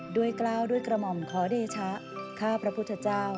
กล้าวด้วยกระหม่อมขอเดชะข้าพระพุทธเจ้า